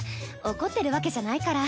怒ってるわけじゃないから。